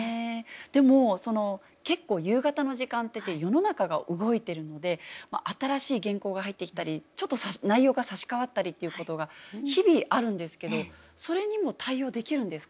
でも結構夕方の時間って世の中が動いてるので新しい原稿が入ってきたりちょっと内容が差し替わったりっていうことが日々あるんですけどそれにも対応できるんですか？